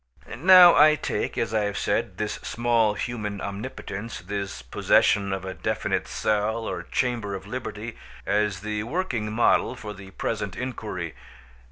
Now I take, as I have said, this small human omnipotence, this possession of a definite cell or chamber of liberty, as the working model for the present inquiry.